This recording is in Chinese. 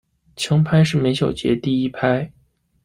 强拍是每小节第一拍。